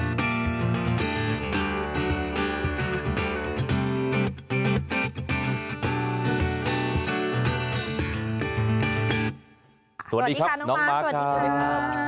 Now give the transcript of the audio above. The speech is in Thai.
นะครับสวัสดีครับน้องมาร์สวัสดีครับ